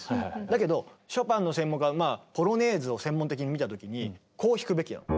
だけどショパンの専門家はポロネーズを専門的に見たときにこう弾くべきなの。